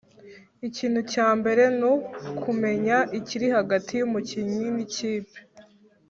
Ikintu cya mbere nukumenya ikiri hagati y’umukinnyi n’ikipe